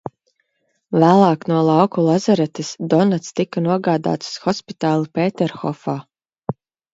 Vēlāk no lauku lazaretes Donats tika nogādāts uz hospitāli Pēterhofā.